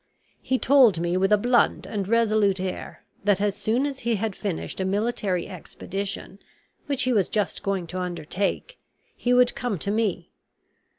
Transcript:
He told me, with a blunt and resolute air, that as soon as he had finished a military expedition, which he was just going to undertake, he would come to me.